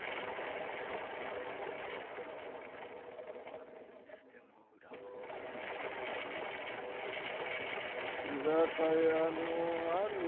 「それにしても恨めしいのは居酒屋の主夫婦だ」。